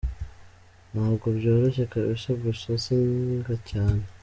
Ntabwo byoroshye kbs gusa senga cyane.